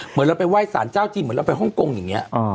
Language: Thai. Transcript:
เหมือนเราไปไหว้สารเจ้าจีนเหมือนเราไปฮ่องกงอย่างนี้